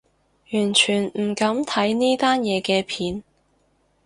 完全唔敢睇呢單嘢嘅片